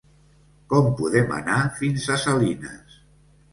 Com podem anar fins a Salines?